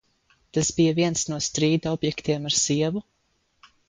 Tas bija viens no strīda objektiem ar sievu?